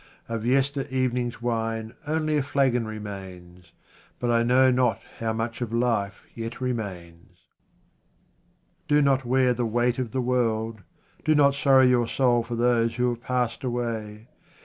Of yester evening's wine only a flagon remains, but I know not how much of life yet remains. Do not wear the weight of the world, do not sorrow your soul for those who have passed away.